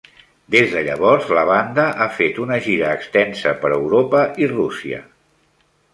Des de llavors, la banda ha fet una gira extensa per Europa i Rússia.